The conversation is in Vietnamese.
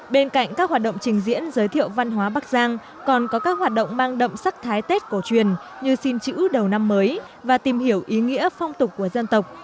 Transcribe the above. bên cạnh các hoạt động trình diễn giới thiệu văn hóa bắc giang còn có các hoạt động mang đậm sắc thái tết cổ truyền như xin chữ đầu năm mới và tìm hiểu ý nghĩa phong tục của dân tộc